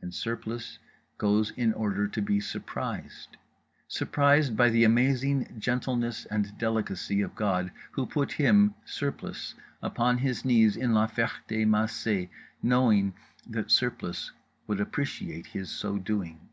And Surplice goes in order to be surprised, surprised by the amazing gentleness and delicacy of God—Who put him, Surplice, upon his knees in La Ferté Macé, knowing that Surplice would appreciate His so doing.